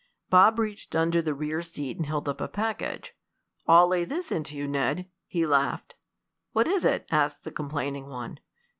Bob reached under the rear seat and held up a package. "I'll lay this into you, Ned," he laughed. "What is it?" asked the complaining one.